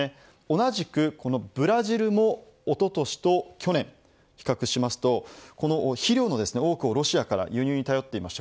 同じく、このブラジルもおととしと去年、比較しますと肥料の多くをロシアから輸入に頼っていました。